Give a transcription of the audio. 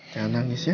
jangan nangis ya